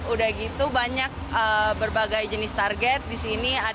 udah gitu banyak berbagai jenis target disini